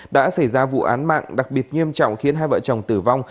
đã xảy ra vụ án mạng đặc biệt nghiêm trọng khiến hai vợ chồng tử vong